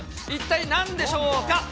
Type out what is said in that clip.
一体なんでしょうか。